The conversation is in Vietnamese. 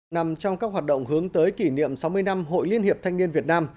nằm trong các hoạt động hướng tới kỷ niệm sáu mươi năm hội liên hiệp thanh niên việt nam